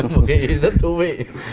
một cái ý rất thú vị